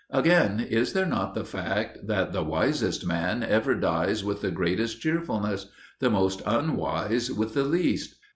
Again, is there not the fact that the wisest man ever dies with the greatest cheerfulness, the most unwise with the least?